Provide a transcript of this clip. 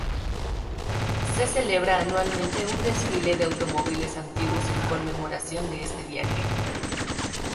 Se celebra anualmente un desfile de automóviles antiguos en conmemoración de este viaje.